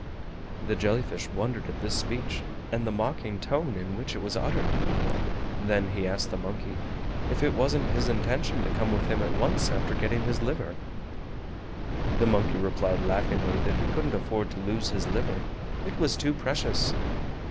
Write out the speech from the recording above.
The jelly fish wondered at this speech and the mocking tone in which it was uttered. Then he asked the monkey if it wasn't his intention to come with him at once after getting his liver. The monkey replied laughingly that he couldn't afford to lose his liver: it was too precious.